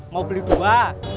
mau beli dua